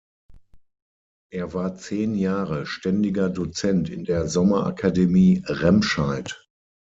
Er war zehn Jahre ständiger Dozent in der Sommerakademie Remscheid.